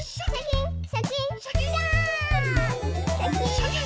シャキン